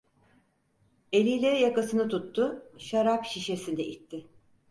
Eliyle yakasını tuttu, şarap şişesini itti.